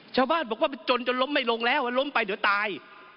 ชาวบ้านบอกว่าจนจนล้มไม่ลงแล้วล้มไปเดี๋ยวตาย